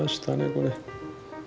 これ。